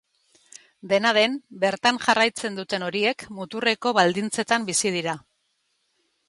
Dena den, bertan jarraitzen duten horiek muturreko baldintzetan bizi dira.